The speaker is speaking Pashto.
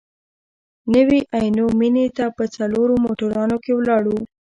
نوي عینو مېنې ته په څلورو موټرونو کې ولاړو.